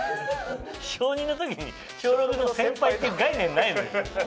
小２の時に小６の先輩っていう概念ないのよ。